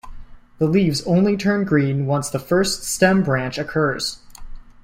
The leaves only turn green once the first stem branch occurs.